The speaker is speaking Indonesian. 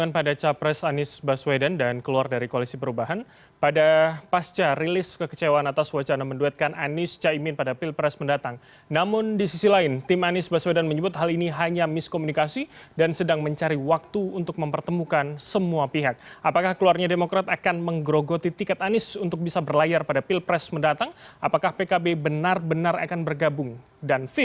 pertanyaan yang saya inginkan